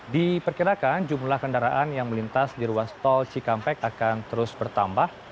diperkirakan jumlah kendaraan yang melintas di ruas tol cikampek akan terus bertambah